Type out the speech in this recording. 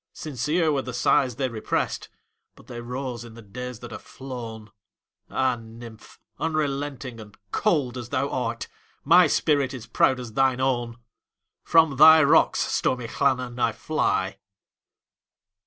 Sincere were the sighs they represt, But they rose in the days that are flown! Ah, nymph! unrelenting and cold as thou art, My spirit is proud as thine own! From thy rocks, stormy Llannon, I fly.